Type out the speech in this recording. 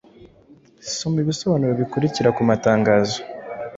Soma ibisobanuro bikurikira ku matangazo